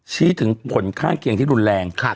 ชี้ถึงผลข้างเคียงที่รุนแรง